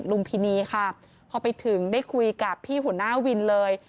ลุมพินีค่ะพอไปถึงได้คุยกับพี่หัวหน้าวินเลย